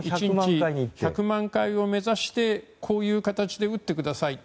１００万回を目指してこういう形で打ってくださいと。